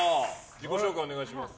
自己紹介をお願いします。